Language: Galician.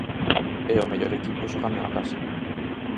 É o mellor equipo xogando na casa.